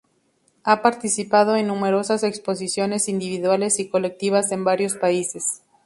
Ha participado en numerosas exposiciones individuales y colectivas en varios países.